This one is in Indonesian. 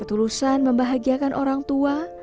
ketulusan membahagiakan orang tua